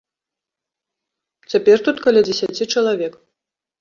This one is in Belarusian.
Цяпер тут каля дзесяці чалавек.